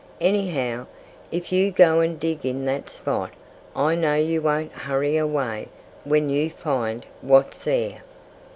"Anyhow, if you go and dig in that spot, I know you won't hurry away, when you find what's there."